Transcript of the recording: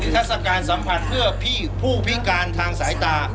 ทัศกาลสัมผัสเพื่อพี่ผู้พิการทางสายตา